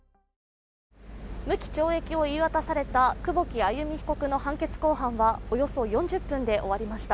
無期懲役を言い渡された久保木愛弓被告の判決公判は、およそ４０分で終わりました。